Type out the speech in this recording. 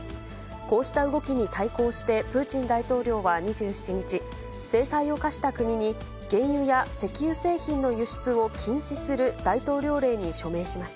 こうした動きに対抗して、プーチン大統領は２７日、制裁を科した国に原油や石油製品の輸出を禁止する大統領令に署名しました。